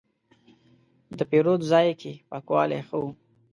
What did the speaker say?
د پیرود ځای کې پاکوالی ښه و.